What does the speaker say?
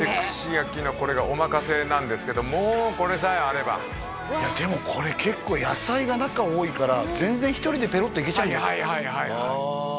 串焼きのこれがおまかせなんですけどもうこれさえあればでもこれ結構野菜が中多いから全然一人でペロッといけちゃうんじゃないですか？